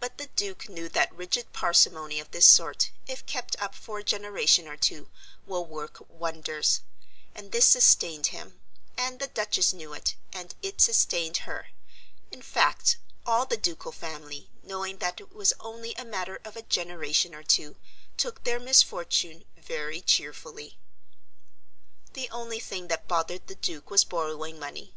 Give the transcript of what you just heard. But the Duke knew that rigid parsimony of this sort, if kept up for a generation or two, will work wonders, and this sustained him; and the Duchess knew it, and it sustained her; in fact, all the ducal family, knowing that it was only a matter of a generation or two, took their misfortune very cheerfully. The only thing that bothered the Duke was borrowing money.